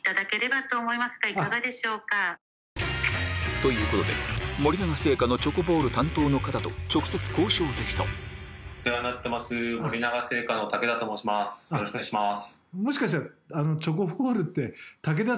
ということで森永製菓のチョコボール担当の方と直接交渉できたよろしくお願いします。